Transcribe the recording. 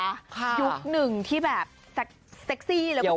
ยุคหนึ่งที่แบบเซ็กซี่แหละแซ่บมาก